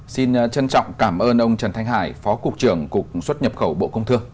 xin trân trọng cảm ơn ông trần thanh hải phó cục trưởng cục xuất nhập khẩu bộ công thương